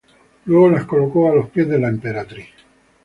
Luego las colocó a los pies de la emperatriz.